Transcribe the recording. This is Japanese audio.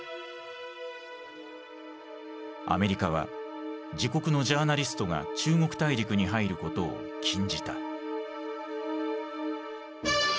アメリカは自国のジャーナリストが中国大陸に入ることを禁じた。